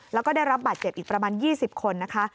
แล้วก็ได้รับบาดเจ็บอีกประมาณ๒๐คนนะคะ